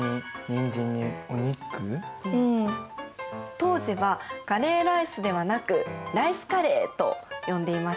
当時は「カレーライス」ではなく「ライスカレー」と呼んでいました。